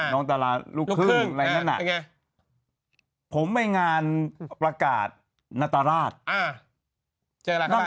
นั่งโต๊ะดีกว่าใครรู้ไหม